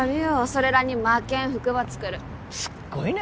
それらに負けん服ば作るすっごいね